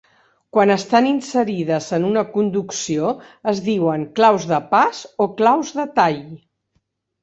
Quan estan inserides en una conducció es diuen claus de pas o claus de tall.